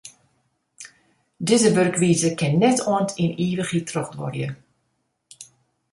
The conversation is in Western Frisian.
Dizze wurkwize kin net oant yn ivichheid trochduorje.